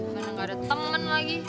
mana gak ada temen lagi